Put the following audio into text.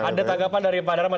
ada tanggapan dari pak darman